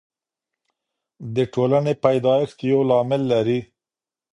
د ټولني پیدایښت یو لامل لري.